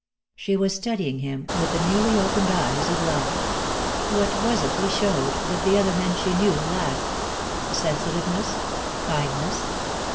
She was studying him with the newly opened eyes of love. What was it he showed that the other men she knew lacked? Sensitiveness? Kindness?